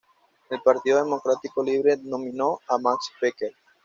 El Partido Democrático Libre nominó a Max Becker.